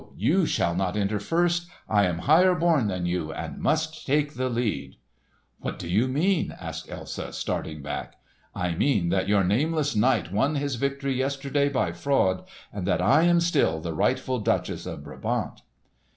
you shall not enter first! I am higher born than you, and must take the lead!" "What do you mean?" asked Elsa starting back. "I mean that your nameless knight won his victory yesterday by fraud, and that I am still the rightful duchess of Brabant."